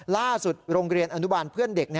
โรงเรียนอนุบาลเพื่อนเด็ก